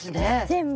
全部。